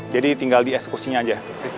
jadi tinggal di ekskursinya aja